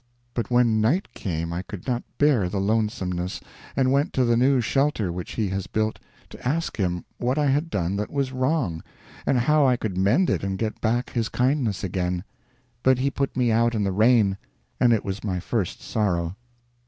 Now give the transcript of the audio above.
But when night came I could not bear the lonesomeness, and went to the new shelter which he has built, to ask him what I had done that was wrong and how I could mend it and get back his kindness again; but he put me out in the rain, and it was my first sorrow.